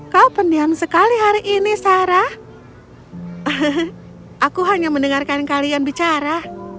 kau pendiam sekali hari ini sarah aku hanya mendengarkan kalian bicara